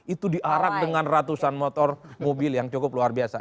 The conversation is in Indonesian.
itu diarak dengan ratusan motor mobil yang cukup luar biasa